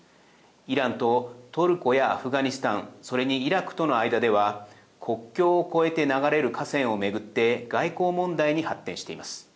イランとトルコやアフガニスタンそれにイラクとの間では国境を越えて流れる河川を巡って外交問題に発展しています。